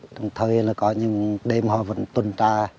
đồng thời là có những đêm họ vẫn tuần tra